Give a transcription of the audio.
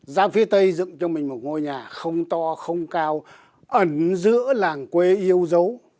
ra phía tây dựng cho mình một ngôi nhà không to không cao ẩn giữa làng quê yêu dấu